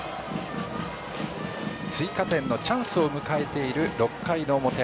追加点のチャンスを迎えている６回の表。